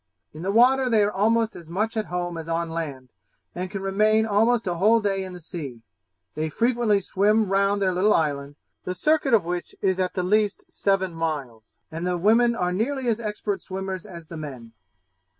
In the water they are almost as much at home as on land, and can remain almost a whole day in the sea. They frequently swim round their little island, the circuit of which is at the least seven miles; and the women are nearly as expert swimmers as the men.